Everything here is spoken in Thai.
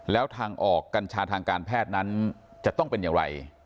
แล้วทางออกกัญชาทางการแพทย์นั้นจะต้องเป็นอย่างไร